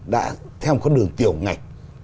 đã theo một con đường tiểu ngạch